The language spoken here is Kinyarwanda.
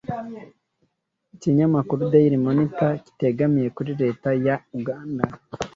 Ikinyamakuru Daily Monitor kitegamiye kuri leta ya Uganda